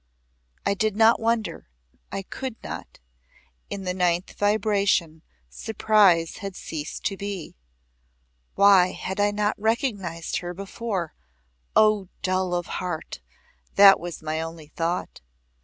I did not wonder I could not. In the Ninth vibration surprise had ceased to be. Why had I not recognized her before O dull of heart! That was my only thought.